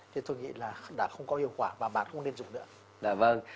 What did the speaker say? thì tôi nghĩ là đã không có hiệu quả và bạn không nên dùng nữa